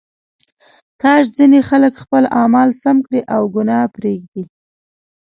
کاش ځینې خلک خپل اعمال سم کړي او ګناه پرېږدي.